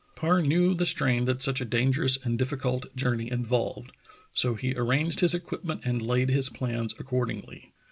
Parr knew the strain that such a dangerous and diflS cult journey involved, so he arranged his equipment and laid his plans accordingly.